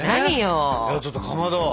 ちょっとかまど